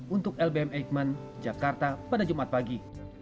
untuk lbm eijkman jakarta pada jumat pagi